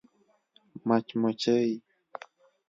🐝 مچمچۍ